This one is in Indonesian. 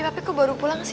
papi kok baru pulang sih